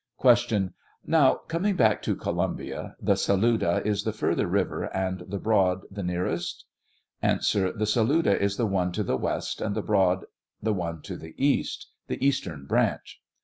43 Q. Now, coming back to Columbia; the Saluda is the further river and the Broad the nearest ? A. The Saluda is the one to the west and the Broad the one to the east — the eastern branch.